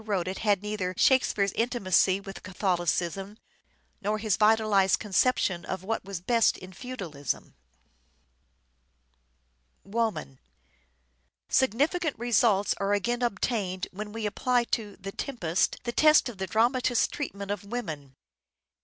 wrote it had neither " Shakespeare's " intimacy with Catholicism nor his vitalized conception of what was best in feudalism. Significant results are again obtained when we apply to " The Tempest " the test of the dramatist's treat ment of woman.